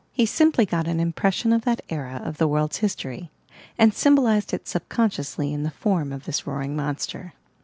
He simply got an impression of that era of the world's history, and symbolized it subconsciously in the form of this roaring monster.